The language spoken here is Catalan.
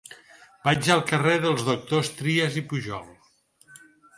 Vaig al carrer dels Doctors Trias i Pujol.